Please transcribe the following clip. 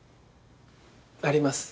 あります。